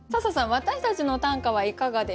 私たちの短歌はいかがでしたか？